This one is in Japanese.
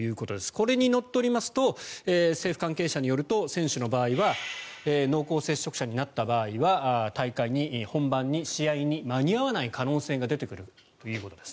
これにのっとりますと政府関係者によると選手の場合は濃厚接触者になった場合は本番に試合に間に合わない可能性が出てくるということです。